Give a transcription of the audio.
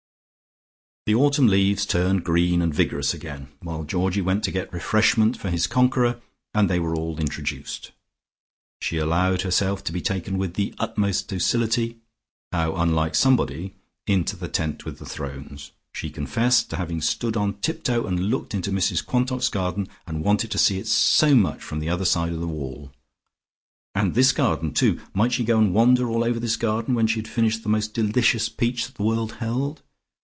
The autumn leaves turned green and vigorous again, while Georgie went to get refreshment for his conqueror, and they were all introduced. She allowed herself to be taken with the utmost docility how unlike Somebody into the tent with the thrones: she confessed to having stood on tiptoe and looked into Mrs Quantock's garden and wanted to see it so much from the other side of the wall. And this garden, too might she go and wander all over this garden when she had finished the most delicious peach that the world held?